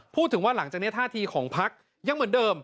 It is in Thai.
พูดถึงว่าหลังจากนี้ท่าทีของพักยังเหมือนเดิม